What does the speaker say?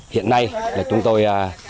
hiện nay chúng tôi